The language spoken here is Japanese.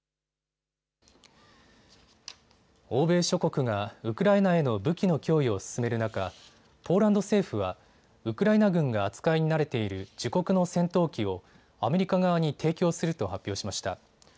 欧米諸国がウクライナへの武器の供与を進める中、ポーランド政府はウクライナ軍が扱いに慣れている自国の戦闘機をアメリカ側に提供すると発表しました。